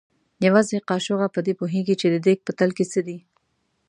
یوازې کاچوغه په دې پوهېږي چې د دیګ په تل کې څه دي.